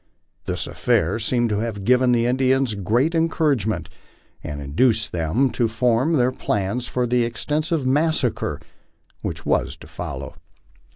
This affair seems to have given the Indians great encourage ment, and induced them to form their plans for the extensive massacre which was to follow.